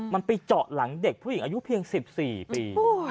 มันไปเจาะหลังเด็กผู้หญิงอายุเพียง๑๔ปี